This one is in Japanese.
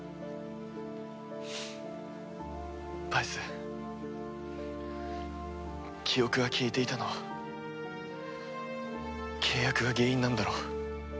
バイス記憶が消えていたのは契約が原因なんだろ？